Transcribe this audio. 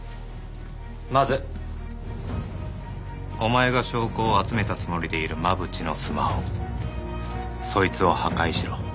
まずお前が証拠を集めたつもりでいる真渕のスマホそいつを破壊しろ。